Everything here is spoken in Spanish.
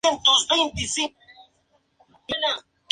La película recibió en su mayoría críticas negativas.